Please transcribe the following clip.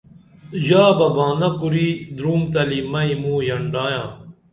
ژا بہ بانا کُری دُرومتلی مئی موں ینڈائیاں